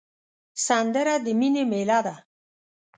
سندره د مینې میله ده